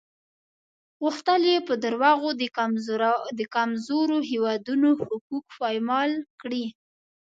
غوښتل یې په دروغو د کمزورو هېوادونو حقوق پایمال کړي.